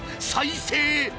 再生？